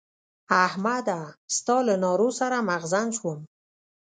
احمده! ستا له نارو سر مغزن شوم.